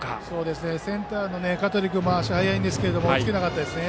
センターの香取君も足が速いんですけど追いつけませんでしたね。